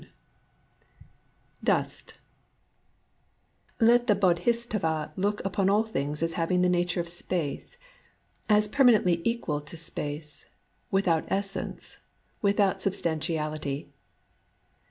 IV DUST " Let the BodMsattva look upon all things as having the nature of space, — as permanently equal to space ; without essence, without substantiality."